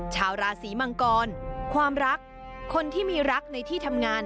ชาวราศีมังกรความรักคนที่มีรักในที่ทำงาน